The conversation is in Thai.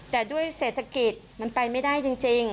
แต่ด้วยเศรษฐกิจมันไปไม่ได้จริง